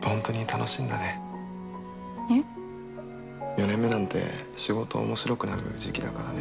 ４年目なんて仕事面白くなる時期だからね。